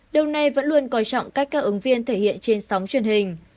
đâu nay vẫn luôn coi trọng cách các ứng viên thể hiện trên sóng truyền hình